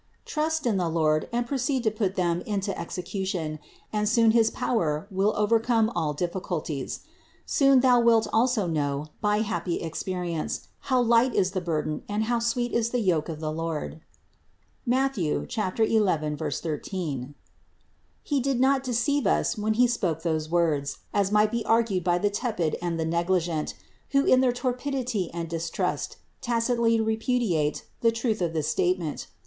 Trust in the Lord and proceed to put them into execution, and soon his power will overcome all diffi culties. Soon thou wilt also know by happy experience how light is the burden and how sweet is the yoke of the Lord (Matth. 11, 13). He did not deceive us when He spoke those words, as might be argued by the tepid and the negligent, who in their torpidity and distrust, tacitly repudiate the truth of this statement.